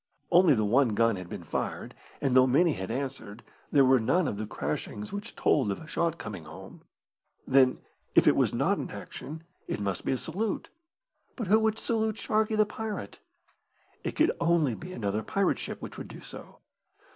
Only the one gun had been fired, and though many had answered, there were none of the crashings which told of a shot coming home. Then, if it was not an action, it must be a salute. But who would salute Sharkey, the pirate? It could only be another pirate ship which would do so.